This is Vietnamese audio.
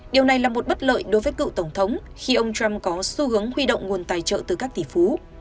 điều này là một bất lợi đối với cựu tổng thống khi ông trump có xu hướng huy động nguồn tài trợ từ các tỷ phú